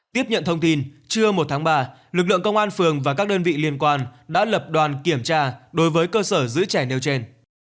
tiếp nhận thông tin trưa một tháng ba lực lượng công an phường và các đơn vị liên quan đã lập đoàn kiểm tra đối với cơ sở giữ trẻ nêu trên